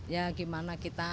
ya bagaimana kita